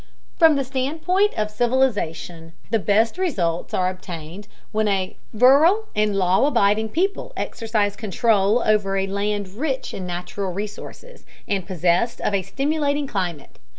From the standpoint of civilization, the best results are obtained when a virile and law abiding people exercise control over a land rich in natural resources and possessed of a stimulating climate.